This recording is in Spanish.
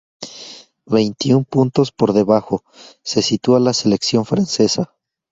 Veintiún puntos por debajo se sitúa la selección francesa.